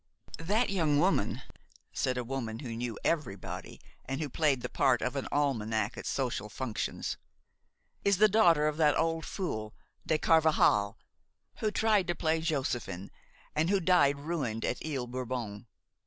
"That young woman," said a woman who knew everybody and who played the part of an almanac at social functions, "is the daughter of that old fool, De Carvajal, who tried to play Joséphin, and who died ruined at Ile Bourbon.